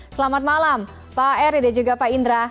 selamat malam pak eri dan juga pak indra